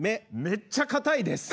めっちゃかたいです。